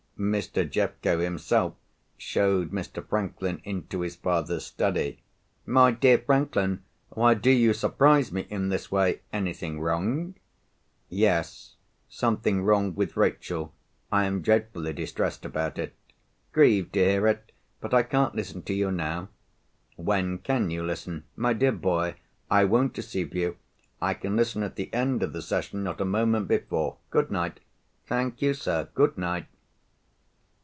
Mr. Jeffco himself showed Mr. Franklin into his father's study. "My dear Franklin! why do you surprise me in this way? Anything wrong?" "Yes; something wrong with Rachel; I am dreadfully distressed about it." "Grieved to hear it. But I can't listen to you now." "When can you listen?" "My dear boy! I won't deceive you. I can listen at the end of the session, not a moment before. Good night." "Thank you, sir. Good night."